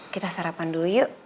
kita sarapan dulu yuk